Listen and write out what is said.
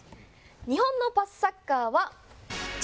日本のパスサッカーはジャン！